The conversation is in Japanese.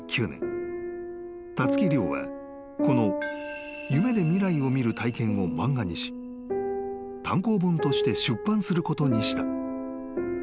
［たつき諒はこの夢で未来を見る体験を漫画にし単行本として出版することにした］